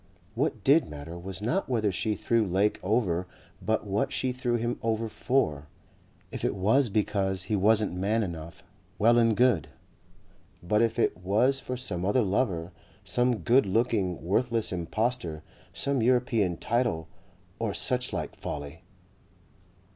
What did matter was not whether she threw Lake over but what she threw him over for. If it was because he wasn't man enough, well and good. But if it was for some other lover, some good looking, worthless impostor, some European title or suchlike folly